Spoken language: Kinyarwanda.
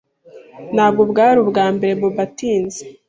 Ntabwo bwari ubwambere Bobo atinze.